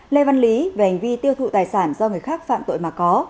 lê văn lý về hành vi tiêu thụ tài sản do người khác phạm tội mà có